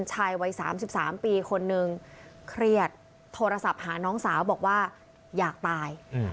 ชายวัย๓๓ปีคนนึงเครียดโทรศัพท์หาน้องสาวบอกว่าอยากตาย